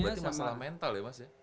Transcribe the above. berarti masalah mental ya mas ya